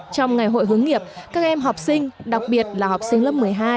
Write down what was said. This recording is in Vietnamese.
trong ngày hội hướng nghiệp các em học sinh đặc biệt là học sinh lớp một mươi hai